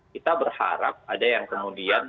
kita berharap ada yang kemudian